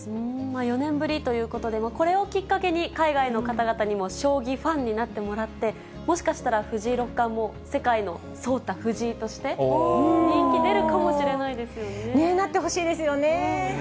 ４年ぶりということで、これをきっかけに海外の方々にも将棋ファンになってもらって、もしかしたら、藤井六冠も世界のソウタ・フジイとして、人気出るかもしれないでなってほしいですよね。